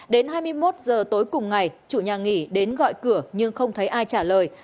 đến hai mươi một giờ tối cùng ngày chủ nhà nghỉ đến gọi cửa nhưng không thấy ai trả lời